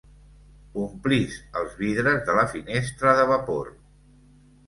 Omplis els vidres de la finestra de vapor.